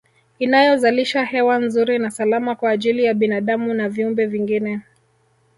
Inayozalisha hewa nzuri na salama kwa ajili ya binadamu na viumbe vingine